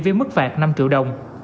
với mức phạt năm triệu đồng